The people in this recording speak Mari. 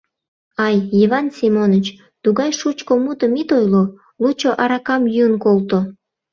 Ай, Йыван Семоныч, тугай шучко мутым ит ойло, лучо аракам йӱын колто.